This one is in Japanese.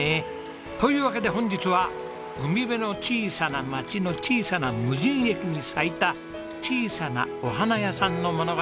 というわけで本日は海辺の小さな町の小さな無人駅に咲いた小さなお花屋さんの物語です。